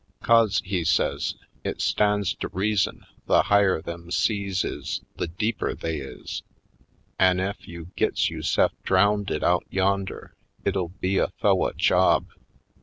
'Cause," he says, "it stands to reason the higher them seas is the deeper they is; an' ef you gits yo'se'f drownded out yonder it'll be a tho'ough job.